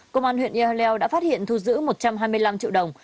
công an huyện ea leo đã phát hiện thu giữ một trăm hai mươi năm triệu đồng